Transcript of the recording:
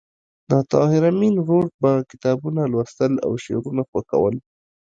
د طاهر آمین ورور به کتابونه لوستل او شعرونه خوښول